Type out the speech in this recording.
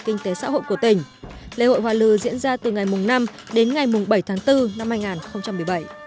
kinh tế xã hội của tỉnh lễ hội hoa lư diễn ra từ ngày năm đến ngày bảy tháng bốn năm hai nghìn một mươi bảy